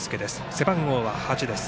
背番号は８です。